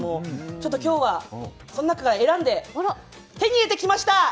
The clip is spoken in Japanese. ちょっと今日はその中から選んで手に入れてきました！